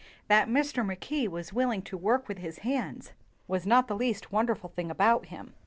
That Mr. Mackay was willing to work with his hands was not the least won derful thing about him.